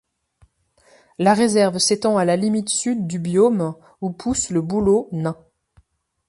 La réserve s'étend à la limite Sud du biome où pousse le bouleau nain.